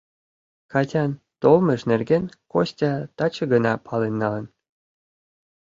Катян толмыж нерген Костя таче гына пален налын.